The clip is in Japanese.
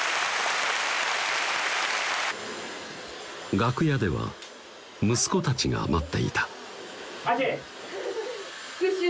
楽屋では息子たちが待っていたあちぃ！